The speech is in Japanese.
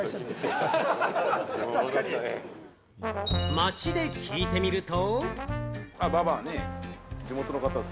街で聞いてみると。